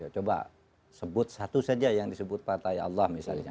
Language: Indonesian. coba sebut satu saja yang disebut partai allah misalnya